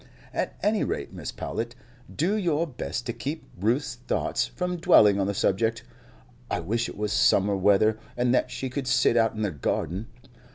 At any rate, Mrs. Powlett, do your best to keep Ruth's thoughts from dwelling on the subject. I wish it was summer weather, and that she could sit out in the garden.